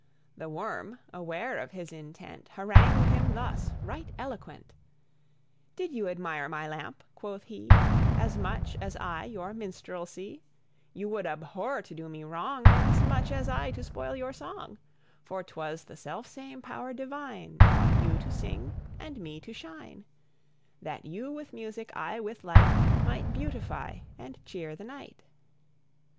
The worm, aware of his intent, Harangued him thus, right eloquent: "Did you admire my lamp," quoth he, "As much as I your minstrelsy, You would abhor to do me wrong, As much as I to spoil your song; For 'twas the self same power divine, Taught you to sing and me to shine; That you with music, I with light, Might beautify and cheer the night."